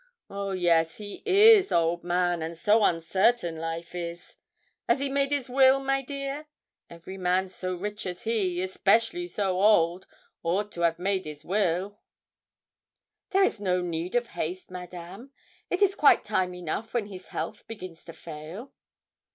Oh, yes he is old man, and so uncertain life is. 'As he made his will, my dear? Every man so rich as he, especially so old, aught to 'av made his will.' 'There is no need of haste, Madame; it is quite time enough when his health begins to fail.'